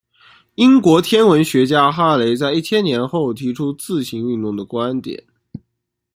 英国天文学家哈雷在一千年后提出自行运动的观点。